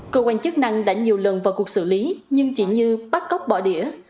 cơ quan chức năng đã nhiều lần vào cuộc xử lý nhưng chỉ như bắt cóc bỏ đĩa